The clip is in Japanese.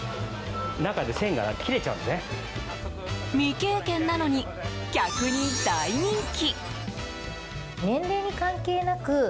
未経験なのに、客に大人気！